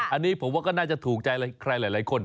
อันนี้ผมว่าก็น่าจะถูกใจใครหลายคน